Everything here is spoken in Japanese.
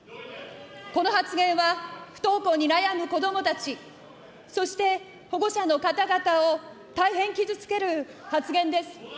この発言は、不登校に悩む子どもたち、そして保護者の方々を大変傷つける発言です。